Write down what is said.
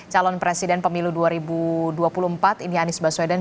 calon presiden pemilu dua ribu dua puluh empat ini anies baswedan